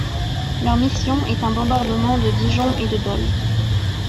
Leur mission est un bombardement de Dijon et de Dole.